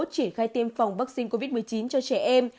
triển khai tiêm phòng vaccine covid một mươi chín cho trẻ em